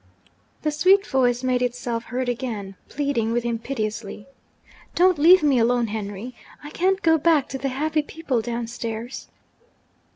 The sweet voice made itself heard again, pleading with him piteously. 'Don't leave me alone, Henry! I can't go back to the happy people downstairs.'